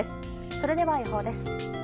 それでは予報です。